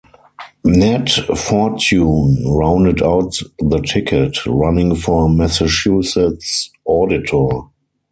Nat Fortune rounded out the ticket, running for Massachusetts Auditor.